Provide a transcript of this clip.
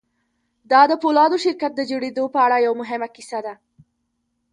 دا د پولادو شرکت د جوړېدو په اړه یوه مهمه کیسه ده